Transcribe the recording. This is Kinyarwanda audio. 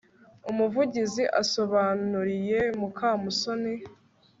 umuvugizi asobanuriye mukamusoni